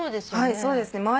はいそうですね。